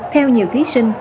theo nhiều thi sinh